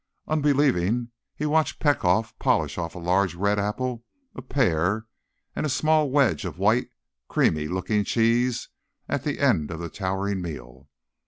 Unbelieving, he watched Petkoff polish off a large red apple, a pear and a small wedge of white, creamy looking cheese at the end of the towering meal.